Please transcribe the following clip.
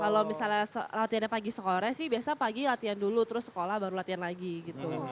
kalau misalnya latihannya pagi sekolah sih biasa pagi latihan dulu terus sekolah baru latihan lagi gitu